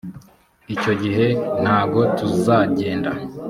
icyo gihe ntago tuzagenda